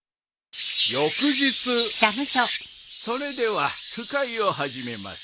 ［翌日］それでは句会を始めます。